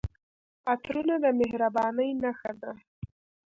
عطرونه د مهربانۍ نښه ده.